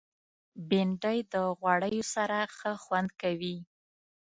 بېنډۍ د غوړیو سره ښه خوند کوي